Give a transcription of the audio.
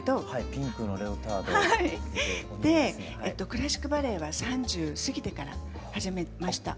クラシックバレエは３０過ぎてから始めました。